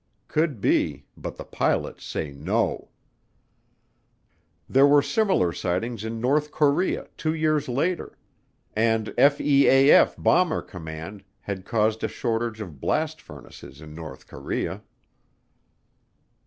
Could be, but the pilots say no. There were similar sightings in North Korea two years later and FEAF Bomber Command had caused a shortage of blast furnaces in North Korea.